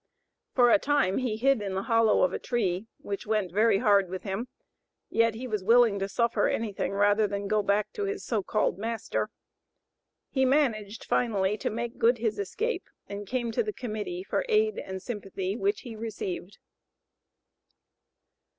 For a time he hid in the hollow of a tree, which went very hard with him, yet he was willing to suffer anything rather than go back to his so called master. He managed finally to make good his escape and came to the Committee for aid and sympathy, which he received.